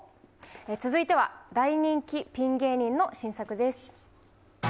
続いては、大人気ピン芸人の新作です。